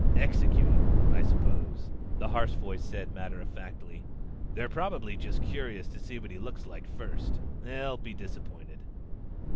"Execute him, I suppose," the harsh voice said matter of factly. "They're probably just curious to see what he looks like first. They'll be disappointed."